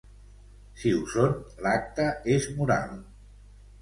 Si ho són, l’acte és moral.